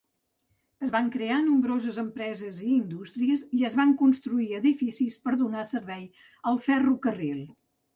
Es van crear nombroses empreses i indústries i es van construir edificis per donar servei al ferrocarril.